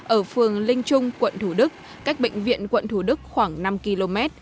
ở phường linh trung quận thủ đức cách bệnh viện quận thủ đức khoảng năm km